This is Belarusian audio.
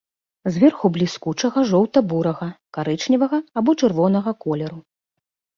Зверху бліскучага жоўта-бурага, карычневага або чырвонага колеру.